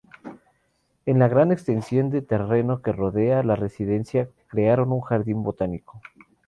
En la gran extensión de terreno que rodea la residencia crearon un jardín botánico.